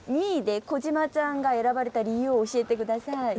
２位で小島さんが選ばれた理由を教えて下さい。